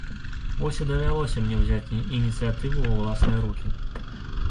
Вось і давялося мне ўзяць ініцыятыву ва ўласныя рукі.